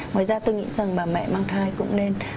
ngoài ra tôi nghĩ rằng bà mẹ mang thai cũng nên